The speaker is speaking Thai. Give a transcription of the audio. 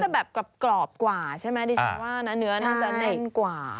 แบบกรอบกว่าใช่ไหมดิฉันว่านะเนื้อน่าจะแน่นกว่า